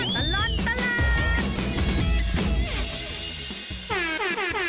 ชั่วตลอดตลาด